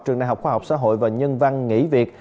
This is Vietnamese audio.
trường đại học khoa học xã hội và nhân văn nghỉ việt